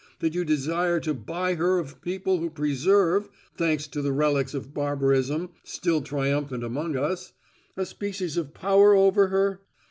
that you desire to buy her of people who preserve—thanks to the relics of barbarism still triumphant among us—a species of power over her?